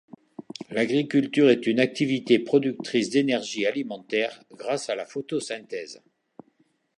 L'agriculture est une activité productrice d'énergie alimentaire grâce à la photosynthèse.